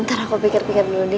ntar aku pikir pikir dulu nih